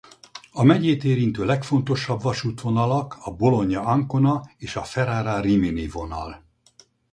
A megyét érintő legfontosabb vasútvonalak a Bologna- Ancona és a Ferrara- Rimini vonal.